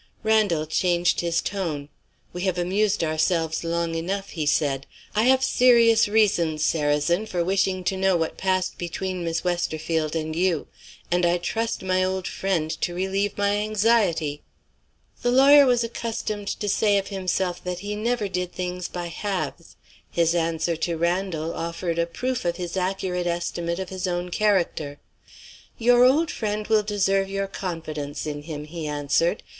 Randal changed his tone. "We have amused ourselves long enough," he said. "I have serious reasons, Sarrazin, for wishing to know what passed between Miss Westerfield and you and I trust my old friend to relieve my anxiety." The lawyer was accustomed to say of himself that he never did things by halves. His answer to Randal offered a proof of his accurate estimate of his own character. "Your old friend will deserve your confidence in him," he answered.